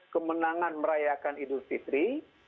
kemenangan merayakan idul fitri